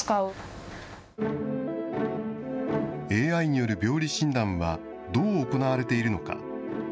ＡＩによる病理診断は、どう行われているのか。